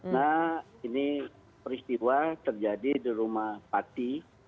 nah ini peristiwa terjadi di rumah pati